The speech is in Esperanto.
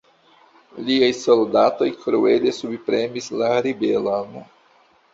Liaj soldatoj kruele subpremis la ribelon.